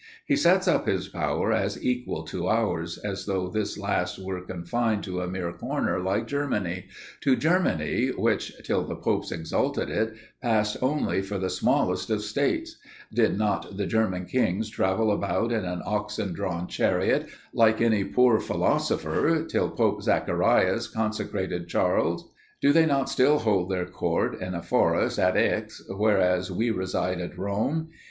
He sets up his power as equal to ours, as though this last were confined to a mere corner like Germany to Germany, which, till the Popes exalted it, passed only for the smallest of states: did not the German kings travel about in an oxen drawn chariot, like any poor philosopher, till Pope Zacharias consecrated Charles? do they not still hold their court in a forest at Aix, whereas we reside at Rome?